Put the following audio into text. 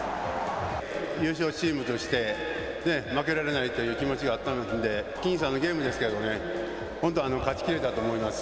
優勝チームとして、ね、負けられないという気持ちがあったんで、僅差のゲームですけどね、本当、勝ちきれたと思います。